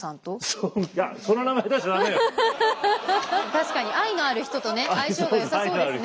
確かに愛のある人とね相性がよさそうですね